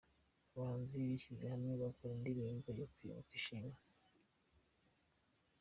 Abahanzi bishyize hamwe bakora indirimbo yo kwibuka ishimwe